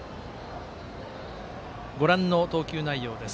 ご覧の投球内容です。